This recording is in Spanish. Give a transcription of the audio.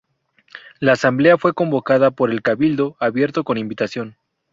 La asamblea fue convocada por el cabildo abierto con invitación.